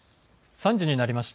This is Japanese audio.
３時になりました。